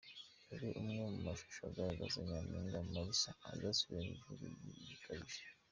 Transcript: Dore amwe mu mashusho agaragaza Nyampinga Marissa asubizanya igihunga gikabije.